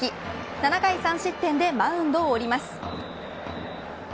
７回３失点でマウンドを降ります。